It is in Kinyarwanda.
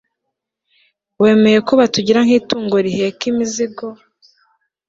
wemeye ko batugira nk'itungo riheka imizigo